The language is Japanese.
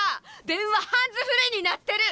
電話ハンズフリーになってる！